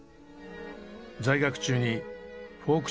在学中にフォーク